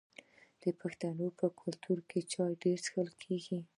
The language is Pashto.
د پښتنو په کلتور کې چای ډیر څښل کیږي.